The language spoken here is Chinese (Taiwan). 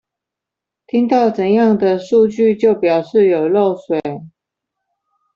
聽到怎樣的數據就表示有漏水